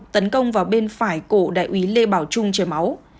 tấn công vào bên phải cổ đại úy lê bảo trung chảy máu